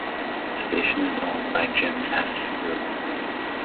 The station is owned by Jim Pattison Group.